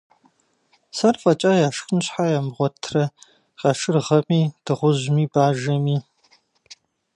Сэр фӀэкӀа яшхын щхьэ ямыгъуэтрэ къашыргъэми, дыгъужьми, бажэми?